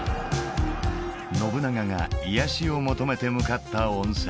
信長が癒やしを求めて向かった温泉